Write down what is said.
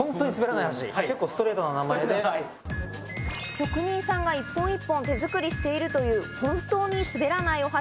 職人さんが一本一本手づくりしているという「ほんとうにすべらないお箸」